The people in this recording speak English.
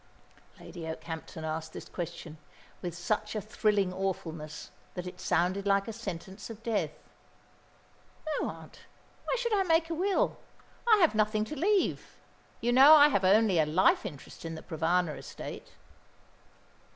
Lady Okehampton asked this question with such a thrilling awfulness, that it sounded like a sentence of death. "No, aunt. Why should I make a will? I have nothing to leave. You know I have only a life interest in the Provana estate."